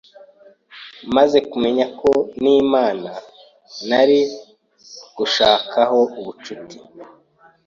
maze kumenya ko n’Imana nari ngiye gushakaho ubucuti